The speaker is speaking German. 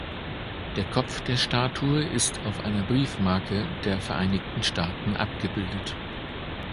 Der Kopf der Statue ist auf einer Briefmarke der Vereinigten Staaten abgebildet.